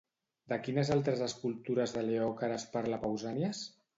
De quines altres escultures de Leòcares parla Pausànies?